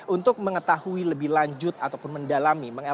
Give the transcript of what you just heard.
untuk mengetahui lebih lanjut ataupun mendalami